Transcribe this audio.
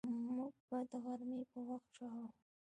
موږ به د غرمې په وخت ژاړو